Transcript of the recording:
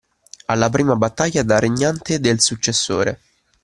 Alla prima battaglia da regnante del successore.